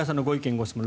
・ご質問